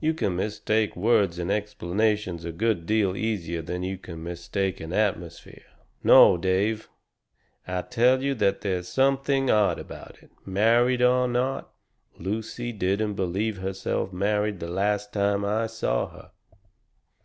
"You can mistake words and explanations a good deal easier than you can mistake an atmosphere. No, Dave, I tell you that there's something odd about it married or not, Lucy didn't BELIEVE herself married the last time I saw her."